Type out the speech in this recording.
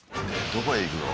どこへ行くの？